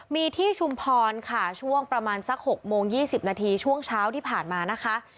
มีที่ชุมพรค่ะช่วงประมาณสัก๖โมง๒๐นาทีช่วงเช้าที่ผ่านมานะคะ